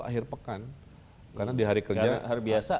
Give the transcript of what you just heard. akhir pekan karena di hari kerja